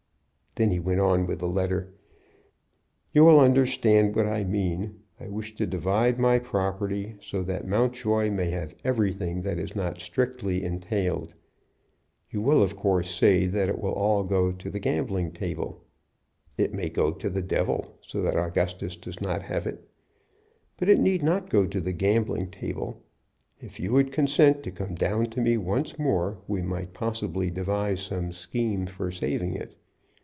Then he went on with the letter: "You will understand what I mean. I wish to divide my property so that Mountjoy may have everything that is not strictly entailed. You will of course say that it will all go to the gambling table. It may go to the devil, so that Augustus does not have it. But it need not go to the gambling table. If you would consent to come down to me once more we might possibly devise some scheme for saving it.